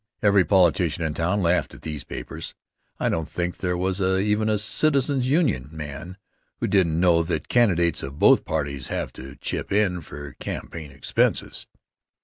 Every politician in town laughed at these papers. I don't think there was even a Citizens' Union man who didn't know that candidates of both parties have to chip in for campaign expenses.